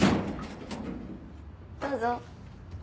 どうぞ。